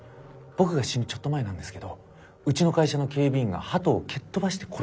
僕が死ぬちょっと前なんですけどうちの会社の警備員がハトを蹴っ飛ばして殺してたんです。